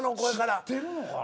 知ってるのかな。